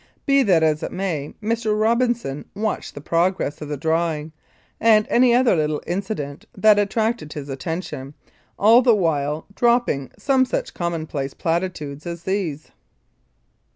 Be that as it may, Mr. Robinson watched the progress of the drawing, and any other little incident that at tracted his attention, all the while dropping some such commonplace platitudes as these